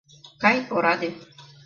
— Кай, ораде!..